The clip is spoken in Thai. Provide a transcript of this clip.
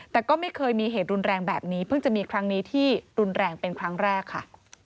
แต่ก็ไม่เคยมีเหตุรุนแรงแบบนี้เพิ่งจะมีครั้งนี้ที่รุนแรงเป็นครั้งแรกค่ะ